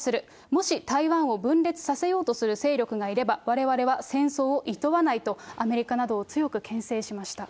もし台湾を分裂させようとする勢力がいれば、われわれは戦争をいとわないと、アメリカなどを強くけん制しました。